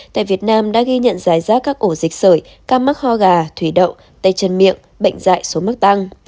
tại việt nam đã ghi nhận giải giá các ổ dịch sởi cam mắc ho gà thủy đậu tay chân miệng bệnh dại số mắc tăng